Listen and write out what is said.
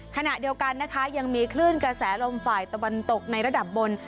ขณะเดียวกันนะคะยังมีคลื่นกระแสลมฝ่ายตะวันตกในระดับบน